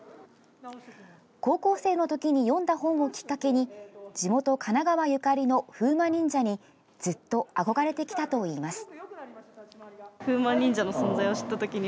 高校生のときに読んだ本をきっかけに地元・神奈川ゆかりの風魔忍者にずっと憧れてきたといいます。